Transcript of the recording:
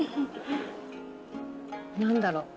何だろう？